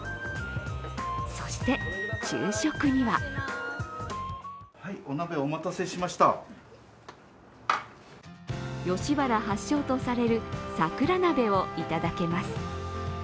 そして、昼食には吉原発祥とされる桜なべをいただけます。